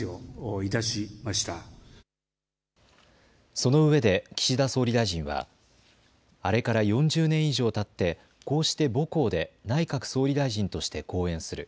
そのうえで岸田総理大臣はあれから４０年以上たってこうして母校で内閣総理大臣として講演する。